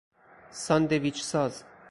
ساندویچ ساز